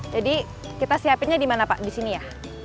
jadi kita siapinnya di mana pak di sini ya